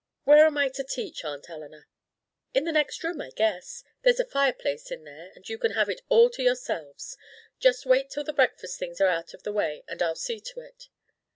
"Where am I to teach, Aunt Eleanor?" "In the next room, I guess. There's a fireplace in there, and you can have it all to yourselves. Just wait till the breakfast things are out of the way and I'll see to it."